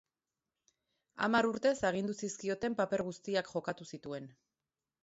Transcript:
Hamar urtez, agindu zizkioten paper guztiak jokatu zituen.